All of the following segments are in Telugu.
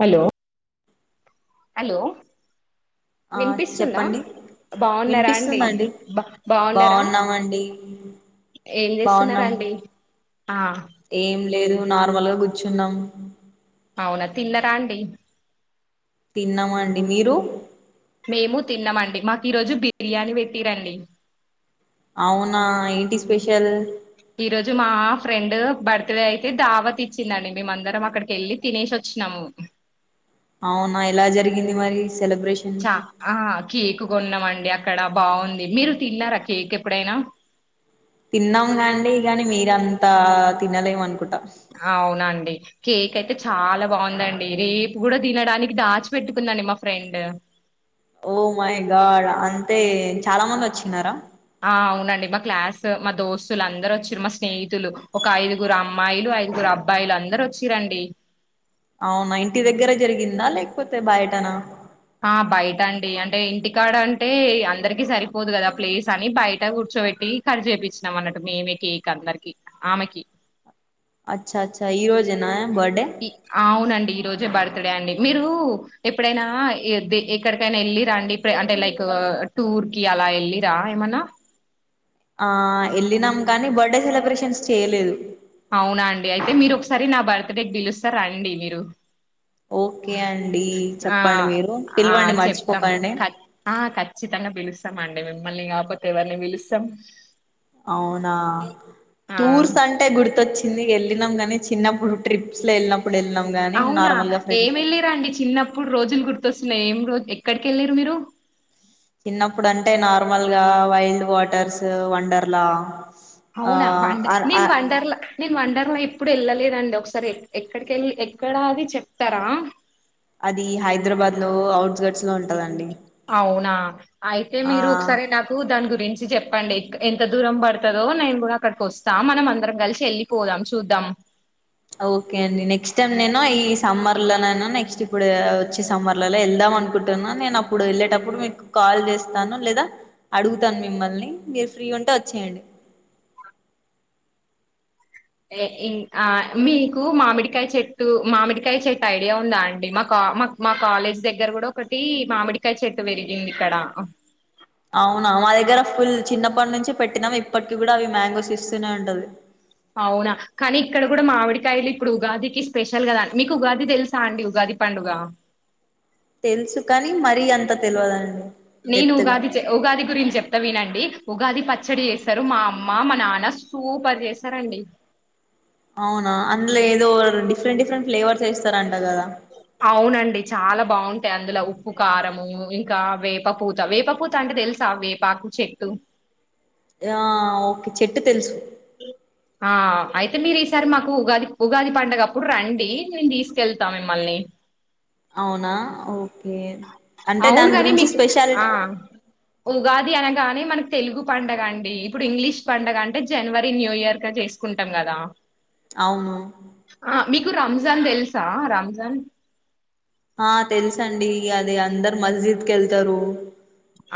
హలో హలో ఆ వినిపిస్తుందా చెప్పండి బాగున్నారా అండి వినిపిస్తుందండి బాగున్నారా బాగున్నామండి ఏం చేస్తున్నారా బాగున్నాం అండి ఆ ఏం లేదు నార్మల్గా కూర్చున్నాం అవునా తిల్ల రాడి తిన్నామా అండి మీరు మేము తిన్నామండి మాకు ఈరోజు బిర్యానీ పెట్టి రండి అవునా ఏంటి స్పెషల్ ఈ రోజు మా ఫ్రెండ్ బర్త్డ అయితే దావతి ఇచ్చిందండి మేమ అందరం అక్కడికి వెళ్ళి తినేసి వచ్చినాము అవునా ఎలా జరిగింది మరి చ సెలిబ్రేషన్స్ ఆ కేక్ కొన్నాం అండి అక్కడ బాగుంది మీరు తిల్లారా కేక్ ఎప్పుడైనా తిన్నాము ండి కాని మీరంతా తినలేమ అనుకుంటు అవునండి కేక్ అయితే చాలా బాగుందండి రేపు కూడా తినడానికి దాచిపెట్టుకుందండి మా ఫ్రెండ్ అయితే చాలా మంది వచ్చినారా ఆ అవునండి మా క్లాస్ ఆ మా దోస్తులు అందరు ఒచ్చిరు మా స్నేహితులు ఒక ఐదుగురు అమ్మాయిలు ఐదుగురు అబ్బాయిలు అందరు ఒచ్చిరు అండి. అవునా ఇంటి దగ్గర జరిగిందా లేకపోతే బాయటనా ఆ బయట అండి అంటే ఇంటికాడ అంటే అందరికి సరిపోదు కదా ప్లేస్ అని బయట కూర్చోబెట్టి ఖర్చు చేయించినాం అన్నట్టు మేమే కేక్ అందరికి ఆమెకి అచ్చ అచ్చా ఈరోజనా అవునండి రజే బర్త్డే అండి మీరు ఎప్పుడైనా ఎక్కడికైనా వెళ్ళరా అండి అంటే లైక్ టూర్ కి అలా వెళ్ళరా ఏమన్నా ఆ ఎల్లినం కానీ బర్త్డే సెలబ్రేషన్స్ చేయలేదు అవునా అండి అయితే మీరు ఒకసారి నా బర్త్ డేకి బడీల్ వస్తారు రండి మీరు ఓకే అండి ఆ చెప్పండి మీరు ఆ పిలవండి చెప్తాం మర్చిపోకండి ఇస్తామ అండి మిమ్మల్ని కాకపోతే ఎవరిని పిలుస్తాం అవునా ఆ టూర్స్ అంటే గుర్తొచ్చి చిందికి వెళ్ళినాం కానీ చిన్నప్పుడు ట్రిప్స్ లో వెళ్ళినాం గాని అవునా నార్మల్ గా ఏమి ఫ్రెండ్స్ వెళ్ళరాండి చిన్నప్పుడు రోజులు గుర్తొస్తున్నాయి ఏం రోజ ఎక్కడికి వెళ్ళరు మీరు చిన్నప్పుడు అంటే నార్మల్ గా వైల్డ్ వాటర్స్ వండర్లా ఆ అవునా వండ అ అ నేను వండర్ల న వండరు ఎప్పుడు వెళ్ళలేదండి ఒకసారి ఎక్కడికిళ్ళ ఎక్కడా అది చెప్తారా అది హైదరాబాద్ లో అఔట్ గట్స్ లో ఉంటదండి అవునా అయితే ఆ మీరు ఒకసారి నాకు దాని గురించి చెప్పండి ఎంత దూరం పడుతుందో నేను కూడా అక్కడికి వస్తా మనం అందరం కలిసి వెళ్ళిపోదాం చూద్దాం ఓకే అండి నెక్స్ట్ టైం నేను ఈ సమ్మర్ల నను నెక్స్ట్ ఇప్పుడు వచ్చే సమ్మర్లలో వెళ్దాం అనుకుంటున్నా నేను అప్పుడు వెళ్ళేటప్పుడు మీకు కాల్ చేస్తాను లేదా అడుగుతాను మిమ్మల్ని మీరు ఫ్రీ ఉంటే వచ్చేయండి ం మీకు మామిడికాయ చెట్టు మామిడికాయ చెట్టు ఐడియా ఉందా అండి మా మా మా కాలేజ్ దగ్గర కూడా ఒకటి మామిడికాయ చెట్టు పెరిగింది ఇక్కడ అవునా మా దగ్గర ఫుల్ చిన్నప్పటి నుంచి పెట్టినాము ఇప్పటికీ కూడా అవి మ్యాంగోస్ ఇస్తూనే ఉంటది అవునా కానీ ఇక్కడ కూడా మామిడికాయలు ఇప్పుడు ఉగాదికి స్పెషల్ కదా అండి మీకు ఉగాది తెలుసా అండి ఉగాది పండుగ తెలుసు కాని మరీ అంత తెలియదండి నేను డెప్త్గా ఉగాది ఉగాది గురించి చెప్ను వినండి ఉగాది పచ్చడి చేస్తారు మా అమ్మ మా నాన్న సూపర్ చేసారంండి అవునా అందులో ఏదో డిఫరెంట్ డిఫరెంట్ ఫ్లేవర్స్స్తారంట కదా అవునండి చాలా బాగుంటాయి అందులో ఉప్పు కారము ఇంకా వేపపూత వేపపూత అంటే తెలుసా వేపాకు చెట్టు ఆ ఓకే చెట్టు తెలుసు ఆ అయితే మీరు ఈసారి మాకు ఉగాది ఉగాది పండగప్పుడు రండి నేను తీసుకెళ్తా మిమ్మల్ని అవునా ఓ అవును కాని మీకు ఆ స్పెషాలిటీ ఉగాది అన గానే మనకు తెలుగు పండగ అండి ఇప్పుడు ఇంగ్లీష్ పండగ అంటే జనవరి న్యూ ఇయర్ గా చేసుకుంటాం కదా అవును ఆ మీకు రంజాన్ తెలుసా రంజాన్ ఆ తెలుసు అండి అద అందరు మస్జిద్కి వెళ్తారు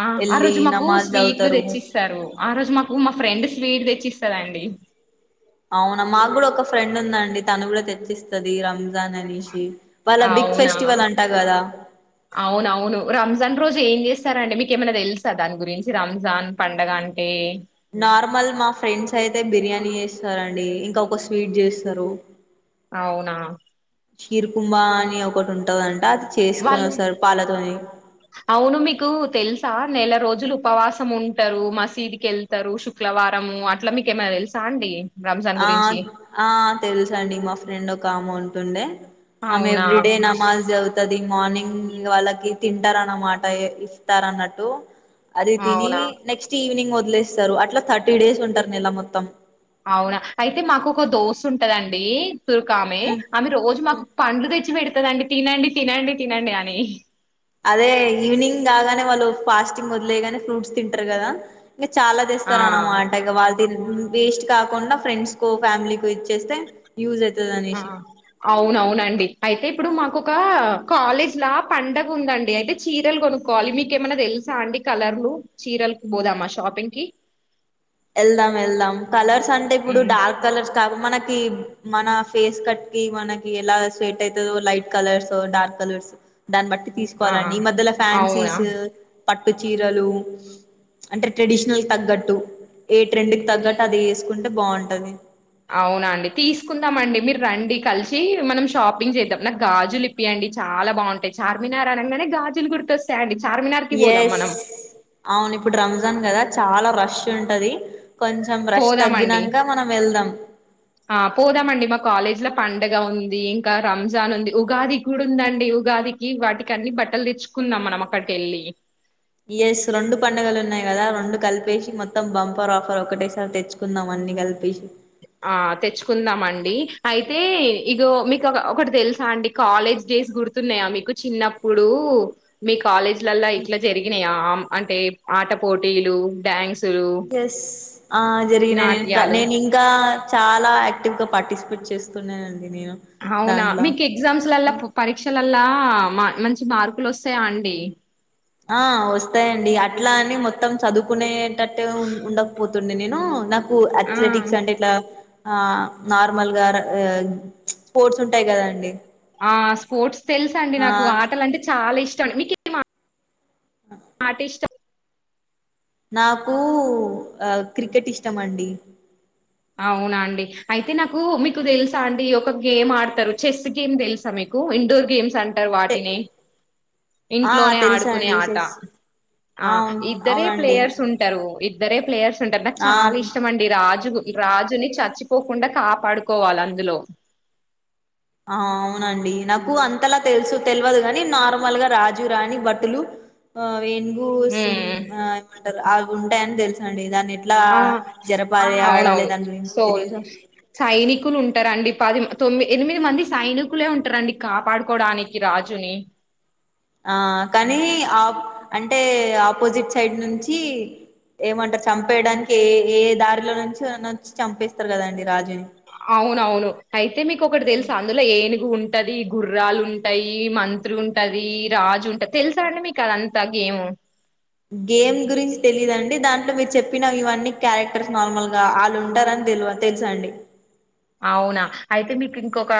ఆ ఆ రోజు మాకు స్వీట్లు తెచ్చిస్తారు ఆ రోజు మాకు మా ఫ్రెండ్ స్వీట్ తెచ్చిస్తది అండి అవునా మాకు కూడా ఒక ఫ్రెండ్ ఉందండి డి తను కూడా తెచ్చిస్తది ర ానేషి వాళ్ళ బిగ్ అవునా ఫెస్టివల్ అంటా కదా అవునవును రంజాన్ రోజు ఏం చేస్తారంటే మీక ఏమన్నా తెలుసా దాని గురించి రంజాన్ పండగ అంటే నార్మల్ మా ఫ్రెండ్స్ అయితే బిర్యానీ చేస్తారండి ఇంకా ఒక స్వీట్ చేస్తారు అవునా షీర్ కుభ అని ఒకటి ఉంటందింటడి వాళ్ళు అవును మీకు తెలుసా నెల రోజులు ఉపవాసం ఉంటారు మసీదుకి వెళ్తారు శుక్రవారంము అట్లా మీకేమైనా తెలుసా అండి రంజాన్ ఆ గురించి ఆ తెలుస అండి మా ఫ్రెండ్ ఒక అమౌంట్ తండే ఆ అవునా ఎవీడే నమాజ దవుత వది మార్నింగ్ వాళ్ళకి తింటారన్నమాట ఇస్తార అన్నట్టు అద తని అవునా నెక్స్ట్ ఈవనింగ్ మో వస్తారు అట్లా థర్టీ డేస్ ఉంటారు న ఇలా మొత్తం అవునా అయితే మాకు ఒక దోస్త్ ఉంటదండి తుర్కమే ఉమ్. ఆమె రోజు మాకు పండ్లు తెచ్చి పెడి దండి తినండి తినండి తినండి అని అదే ఈవినింగ్ కాగానే వాళ్ళు ఫాస్టింగ్ వదిలేయగానే ఫ్రూట్స్ తింటారు కదా ఇంకా చాలా ఆ తెస్తారు అన్నమాట ఇక వాళ్ళ వేస్ట్ కాకుండా ఫ్రెండ్స్ కో ఫ్యామిలీకి ఇచ్చేస్తే యూజ్ అయి ఆ అవునవునండి అయితే ఇప్పుడు మాకు ఒక కాలేజ్ లా పండగ ఉందండి అయితే చీరలు కొనుక్కోవాలి మీక్ ఏమన్నా తెలుసా అండి కలర్లు చీరలుకి పోదామా షాపింగ్ కి వెళ్దాం వెళ్దాం కలర్స్ అంటే ఇప్పుడు ఉమ్, డార్క్ కలర్స్ కాక మనకి మన ఫేస్ కట్ మనకి ఎలా స్వేట్ అయితదో లైట్ కలర్స్ డార్క్ కలర్స్ దాన్ బట్టి ఆ తీసుకోవాలండి ఈ మధ్యలా అవునా ఫ్యాన్సీస్ పట్టు చీరలు అంటే ట్రెడిషనల్ తగ్గట్టు ఏ ట్రెండ్ కి తగ్గట్ అది ఏసుకున్ టే బాగుంటది అవునా అండి తీసుకుందాం అండి మీరు రండి కలిసి మనం షాపింగ్ చేద్దాం నాకు గాజులు ఇప్పీయండి చాలా బాగుంటాయి చార్మినార్ అనంగానే గాజులు గుర్తొస్తాయ్ అండి ఎస్ అవును ఇప్పుడు రంజాన్ కదా చాలా ఫ్రష్ ఉంటది కొంచెం రష్ పోదామండి తగ్గినాక మనం వెళ్దాం ఆ పోదామండి మా కాలేజ్ లో పన్ డగా ఉంది ఇంకా రంజాన్ ఉంది ఉగాది కూడా ఉందండి ఉగాదికి వాటికి అన్ని బట్టలు తెచ్చుకుందాం మనం అక్కడికి వెళ్ళి ఎస్ రెండు పండుగలు ఉన్నాయి కదా రెండు కలిపేసి మొత్తం బంపర్ ఆఫర్ ఒకటేసారి తెచ్చుకుందాం అన్ని కలిపేసి ఆ తెచ్చుకుందామ అండి అయితే ఇగో మీకు ఒకటి తెలుసా అండి కాలేజ్ డేస్ గుర్తున్నాయా మీకు చిన్నప్పుడు మీక్ కాలేజ్లల్లా ఇట్లా జరిగినాయా ఆమ్ అంటే ఆట పోటీలు డ్యాన్స్ ఎస్ ఆ జరిగినా నేను నాట్యాలు నేను ఇంకా చాలా యాక్టివ్ గా పార్టిసిపేట్ చేస్తున్నానును అవునా మీకు ఎగ్జామ్స్ల పరీక్షల లా మంచి మార్కులు వస్తాయా అండి ఆ వస్తాయంండి అట్లా అని మొత్తం చదువుకునేటట్టు గా ఉండకపోతున్ని నేను నాక్ కు ఆ అథ్లెటిక్స్ అంటే ఇట్లా ఆ నార్మల్గా స్పోర్ట్స్ ఉంటాయి కదా అండి ఆ స్పోోర్ట్స్ తెలుసు అండి నాకు ఆటల అంటే చాలా ఇష్ ష్టం మీకీ మా ఆటా ఇష్టం నాకు క్రికెట్ ఇష్టం అండి అవునా అండి అయితే నాకు మీకు తెలుసా అండి ఒక గేమ్ ఆడతారు చెస్ గేమ్ తెలుసా మీకు ఇండోర్ గేమ్స్ అం టార్ వాటిని ఆ ఇంట్లోనే తెలుసా ఆడుకునే అండి ఆట చెస్ ఆ అవును ఇద్దరే అవునండి ప్లేయర్స్ ఉంటారు ఇద్దరే ప్లేయర్స్ ఉంటారు నాకు ఆ చాలా ఇష్టమండి రాజుకు రాజుని చచ్చిపోకుండా కాపాడుకోవాలి అందులో ఆ అవునండి నాకు అంతలా తెలుసు తెలియదు కాగాని నార్మల్ గా రాజు రాణి బట్టలు ఆ వెంగుూ సి ఉమ్ ఆ ఉంటాయని తెలుస అండి దాన్ని ఎట్లా ఆ జరపాలి ఆడాలి అవునవును దాని గురించి సోల్ తెలియదు సైనికులు ఉంటారం అండి పది తొమ్మిది ఎనిమిది మంది సైనికులే ఉంటారండి కాపాడుకోవడానికి రాజుని ఆ కానీ ఆ అంటే ఆపోజిట్ సైడ్ నుంచి ఏమంటారు చంపేయడానికి ఏ ఏ దారిలో నుంచిచ్చి చంపేస్తారు కదండి రాజుని అవునవును అయితే మీకు ఒకటి తెలుసు అందులో ఏనుగు ఉంటంది ఉంటది గుర్రాలు ఉంటాయి మంత్రి ఉంటది రాజు ఉంటాది తెలుసా అండి మీకు అది అంతా గేమ్ గేమ్ గురించి తెలిదుండి దాంట్లో మీరు చెప్పిన ఇవన్నీ క్యారెక్టర్స్ నార్మల్గా వాళ్ళు ఉంటారని తెలి తెలుసా అండి అవునా అయితే మీకు ఇంకొక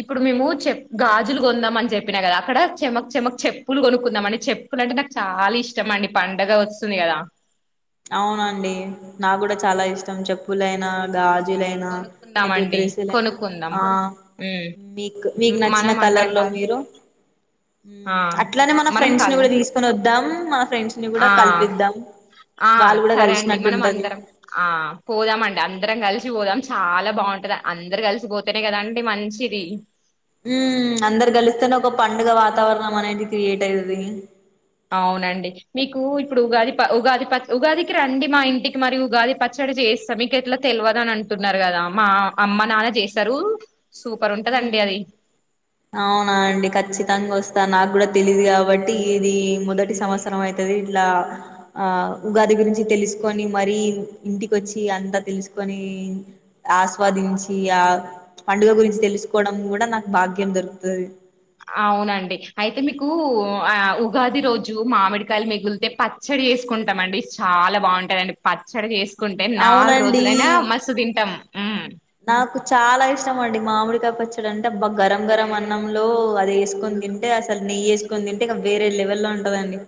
ఇప్పుడు మేము చె గాజులు కొందాం అని చెప్పినా కదా అక్కడ చెమక్ చెమక్ చెప్పులు కొనుక్కుందాం అండి చెప్పులు అంటే నాకు చాలా ఇష్టం అండి పండగ వస్తుంది కదా అవునండి నా కూడా చాలా ఇష్టం చెప్పులైనా ఉమ్, గాజులైనా లే కొనుక్కుందామండి డ్రెస్సులనా కొనుక్కుందాం ఆ ఉమ్ మీకు మీకు నచ్చిన మనం కలర్ అందరం లో గా మీరు ఆ అట్లానే మన మనం ఫ్రెండ్స్ ని కల్ కూడా తీసుకొని వద్దాం మన ఫ్రెండ్స్ ని కూడా ఆ కల్పిద్దాం ఆ వాళ్ళు కూడా సరే అండి కలిసినట్టు మనం ఉంటది అందరం ఆ పోదామండి అందరం కలిసి కసి పోదాం చాలా బాగుంటది అందరు కలిసిపోతేనే కదాండి మంచిది ఉ అందరు గలిస్తేనే ఒక పండుగ వాతావరణం అనేది క్రియేట్ అయతుది అవునండి మీకు ఇప్పుడు ఉగాది ప ఉగాది ప ఉగాదికి రండి మా ఇంటికి మరి ఉగాది పచ్చడి చేస్తా మీకు ఎట్లా తెలియదు అని అంటున్నారు కదా మా అమ్మ నాన్న చేస్తారు సూపర్ ఉంటదండి అది. అవునా అండి ఖచ్చితంగా వస్తా నాకు కూడా తెలిదు కాబట్టి ఇది మొదటి సంవత్సరం అయితుది ఇట్లా ఆ ఉగాది గురించి తెలుసుకొని మర ఇంటికొచ్చి అంతా తెలుసుకని ఆస్వాదించి ఆ పండుగ గురించి తె తీసుకోవడం కూడా నాకు భాగ్యం దొరుకుతుది అవునండి అయితే మీకు ఆ ఉగాది రోజు మామిడికాయలు మిగిలితే పచ్చడి చేసుకుంటాం అండి చాలా బాగుంటాదండి పచ్చడి చేసు కుంటే నాలుగు అవునండి రోజులనా మస్సు తింటాం నాకు చాలా ఇష్టమండి మామిడికాయ పచ్చడు అంటేబ్బా గరం గరం అన్నంలో అది వేసుకొని తింటే అసలు నెయ్యి వేసుకొని తింటే ఇక వేరే లెవెల్ లో ఉంటదండి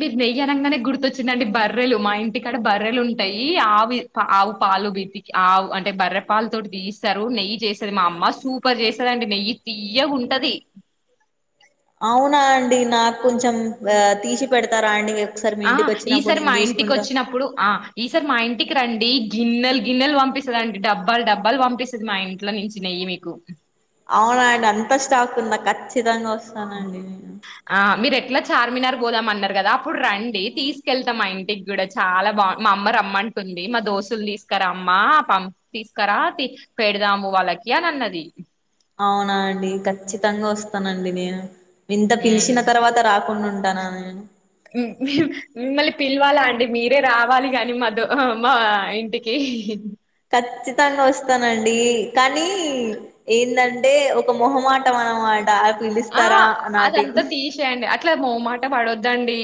మీరు నెయ్యి అనగానే గుర్తొచ్చిందిండి బర్రెలు మా ఇంటికాడ బర్రెలు ఉంటాయి ఆవి పా ఆవు పాలు బీతికి ఆవు అంటే బర్రె పాలు తోటి తీస్తారు నెయ్యి చేస్తుది మా అమ్మ సూపర్ చేస్తదండి నెయ్యి తీయగా ఉంటది అవునా అండి నాకు కొంచెం ఆ తీసి పెడుత ఆ ఈసారి మా ఇంటికి తీసుకుంటా వచ్చినప్పుడు ఆ ఈసారి మా ఇంటికి రండి గిన్నెలు గిన్నెలు పంపిస్తస్తుద అండి డబ్బాలు డబ్బాలు పంపిస్తుది మా ఇంట్లో నుంచి నెయ్యి మీకు అవున అండి అంత స్టాక్ ఉందా ఖచ్చితంగా న అండి లా చార్మినార్ గోదామ అన్నారు కదా అప్పుడు రండి తీసుకెళ్తాం ఆనకి టి కూడా చాలా బాగు మా అమ్మ రమ్మంటుంది మా దోస్తులు తీసుకరా అమ్మ పంపి తీసుకరా పెడదాము వాళ్ళకి అని అన్నది అవునా అండి ఖచ్చితంగా వస్తానండి నేను వింత పిలిచిన మ్ తర్వాత రా ఉండుటన మిమ్మల్ని పిలవాలా అండి మీరే రావాలి కాని మాద మా ఇంటికి ఖచ్చితంగా వస్తానండి కానీ ఏంటంటే ఒక మొహమాటం అనమాట పిలుస్తారా నాటి అ మొ మాట పడొద్దండి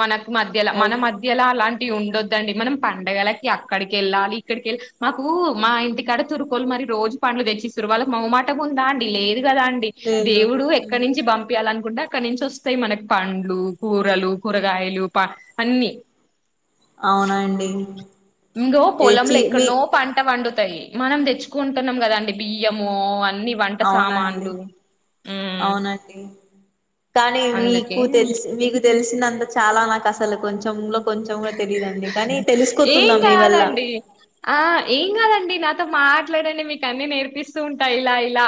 మనకు మధ్యలో మన ఓకే మధ్యలో అలాంటి ఉండొద్దండి మనం పండడుగలకి అక్కడికి వెళ్ళాలి ఇక్కడికిళ్ళాలి మాకు మా ఇంటికాడ తురుకోలు మరి రోజు పండ్లు తెచ్చిస్తారు వాళ్ళకి మమాటం ఉందా అండి లేదు కదా అండి లేదు దేవుడు ఎక్కడి నుంచి పంపించాలి అనుకుంటే అక్కడ నుంచి వస్తాయి మనకి పండ్లు కూరలు కూరగాయలు అన్ని అవునండి ఇంకో పొలంలో తెచ్చి మీ ఎక్కన్నో పంట పండుతాయి మనం తెచ్చుకుంటున్నాం కదా అండి బియ్యము అ అన్ని వంట సామాన్లు ఉమ్ అవునాకతే కానీ అందుకే మీకు తెలిసి మీకు తెలిసినంత చాలా నాకు అసలు కొంచెం ఉ ఏం మీ వల్ల కాదండి ఆ ఏం కాదండి నాతో మాట్లాడండి మీకు అన్నీ నేర్పిస్తూ ఉంటా ఇలా ఇలా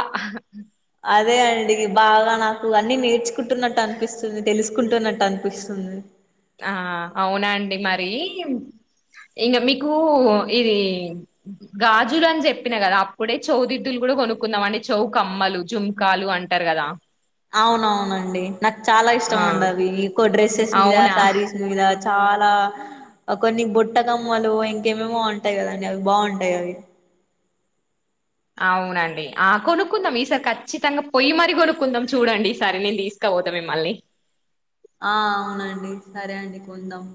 అదే అండి బాగా నాకు అన్ని నేర్చుకుంటున్నట్టు అనిపిస్తుంది తెలుసుకుంటున్నట్టు అనిపిస్తుంది ఆ అవునాండి మరి ఇంక మీకు ఇది గాజులు అని చెప్పినా కదా అప్పుడే చౌదిద్దులు కూడా కొనుక్కుందాం అండి చౌ కమ్మలు జుంకాలు అంటారు కదా అవునవునండి నాకు చాలా ఇష్టం ఆ అండి అవి ఎక్కువ డ్రెస్సెస్ మీద అవునా శారీస్ మీద చాలా కొన్ని బుట్టకమ్మలు ఇంకేమేమో ఉంటాయి కదండి అవి బాగుంటాయి అవి అవునండి ఆ కొనుక్కుందాం ఈసారి ఖచ్చితంగా పొయ్యి మర కొనుక్కుందాం చూడండి ఈ సర నేను తీసుకపోద్దా మిమ్మల్ని ఆ అవునండి సరే అండి కొందాం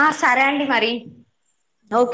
ఆ సరే అండి మరి ఓకే